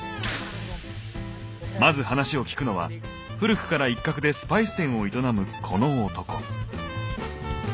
まず話を聞くのは古くから一角でスパイス店を営むこの男。